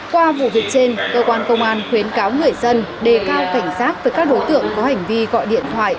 qua vụ việc trên cơ quan công an khuyến cáo người dân đề cao cảnh giác với các đối tượng có hành vi gọi điện thoại